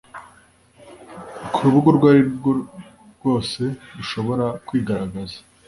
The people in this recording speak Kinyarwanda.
ku rubuga urwo arirwo rwose rushobora kwigaragaza